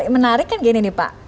menarik kan gini nih pak